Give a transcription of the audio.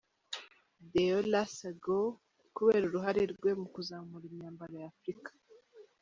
Deola Sagoe, kubera uruhare rwe mu kuzamura imyambaro ya Africa.